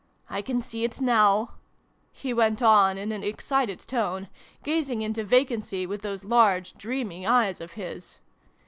I can see it now !" he went on in an excited tone, gazing into vacancy with those large dreamy eyes of his.